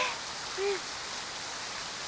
うん。